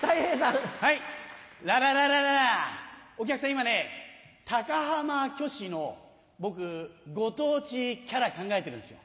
今ね高浜虚子の僕ご当地キャラ考えてるんですよ。